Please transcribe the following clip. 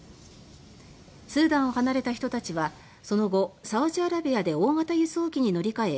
スーダンを離れた人たちはその後、サウジアラビアで大型輸送機に乗り換え